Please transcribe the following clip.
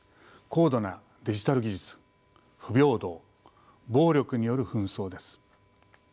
高度なデジタル技術不平等暴力による紛争です。